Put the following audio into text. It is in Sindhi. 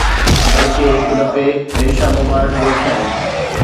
بلڪه هڪ دفعي ريشا مبارڪ به رکيائين